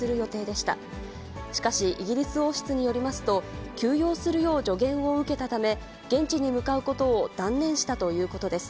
しかし、イギリス王室によりますと、休養するよう助言を受けたため、現地に向かうことを断念したということです。